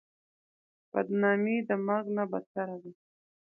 بدنامي د مرګ نه بدتره ده.